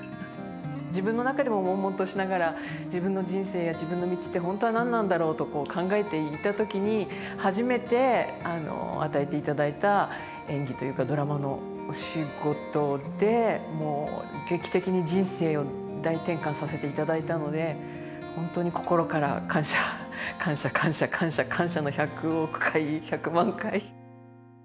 自分の中でももんもんとしながら自分の人生や自分の道って本当は何なんだろうと考えていた時に初めて与えていただいた演技というかドラマのお仕事でもう劇的に人生を大転換させていただいたので本当に心から感謝感謝感謝感謝感謝の１００億回１００万回。